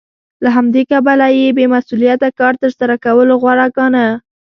له همدې کبله یې بې مسوولیته کار تر سره کولو غوره ګاڼه